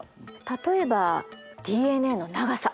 例えばＤＮＡの長さ。